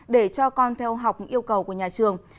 để cho con theo học yêu cầu của nhà trường